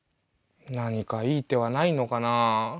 何かいい手はないのかな？